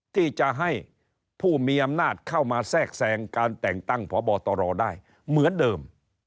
ที่จะให้ผู้มีอำนาจเข้ามาแทรกแทรงการแต่งตั้งพบตรได้เหมือนเดิม